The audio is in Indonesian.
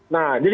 nah jadi gini